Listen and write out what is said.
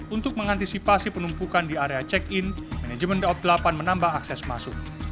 untuk mengantisipasi penumpukan di area check in manajemen daob delapan menambah akses masuk